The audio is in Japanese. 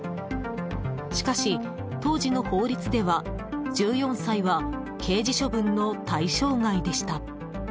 しかし、当時の法律では１４歳は刑事処分の対象外でした。